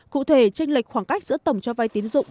cụ thể tranh lệch khoảng cách giữa tổng cho vai tiến dụng